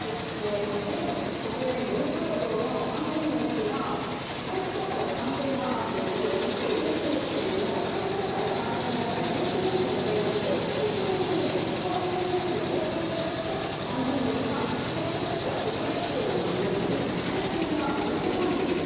前国連事務総長のパン・ギムン氏が、統一教会と関係があるということで、２０２０年の統一教会の関連団体、ＵＰＦのイベントで、ＳＤＧｓ気候変動分野へ貢献したとして、パン・ギムン氏が創設者特別賞を受賞し、賞金が５０万ドル。